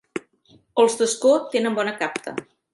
Els d'Ascó tenen bona capta.